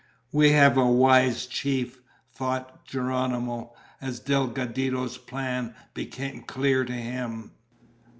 "We have a wise chief," thought Geronimo, as Delgadito's plan became clear to him.